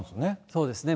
そうですね。